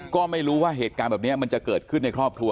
ก็ไม่รู้ว่าเหตุการณ์แบบนี้มันจะเกิดขึ้นในครอบครัว